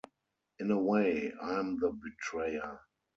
In a way, I'm the betrayer.